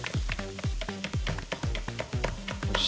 よし。